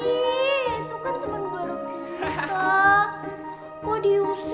itu kan temen gue rupanya